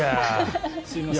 すみません。